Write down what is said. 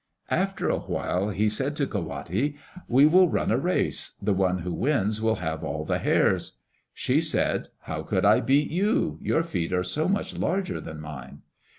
After a while he said to Ka wate, "We will run a race. The one who wins will have all the hares." She said, "How could I beat you? Your feet are so much larger than mine."